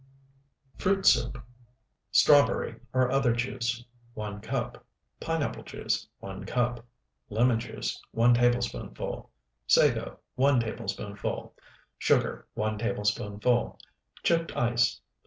FRUIT SOUP Strawberry, or other juice, 1 cup. Pineapple juice, 1 cup. Lemon juice, 1 tablespoonful. Sago, 1 tablespoonful. Sugar, 1 tablespoonful. Chipped ice.